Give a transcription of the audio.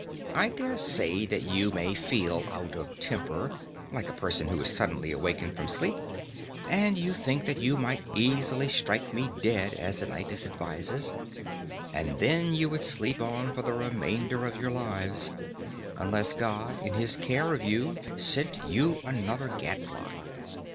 I dare say that you may feel out of temper (like a person who is suddenly awakened from sleep), and you think that you might easily strike me dead as Anytus advises, and then you would sleep on for the remainder of your lives, unless God in his care of you sent you another gadfly.